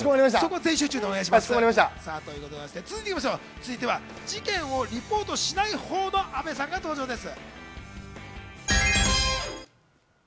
続いては、事件をリポートしないほうの阿部さんが登場です。